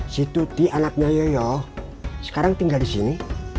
si tudi anaknya yoyo sekarang tinggal di sini